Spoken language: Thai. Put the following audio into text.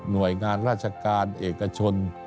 โดยงานราชการเอกชน